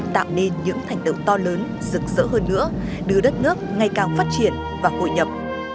tạo nên những thành tựu to lớn rực rỡ hơn nữa đưa đất nước ngày càng phát triển và hội nhập